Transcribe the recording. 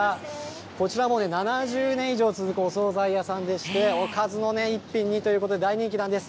こちらも７０年以上続くお総菜屋さんでして、おかずの一品にということで、大人気なんです。